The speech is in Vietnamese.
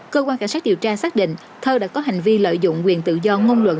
cơ quan cảnh sát điều tra xác định thơ đã có hành vi lợi dụng quyền tự do ngôn luận